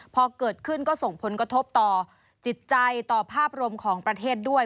พอเกิดขึ้นก็ส่งผลกระทบต่อจิตใจต่อภาพรวมของประเทศด้วย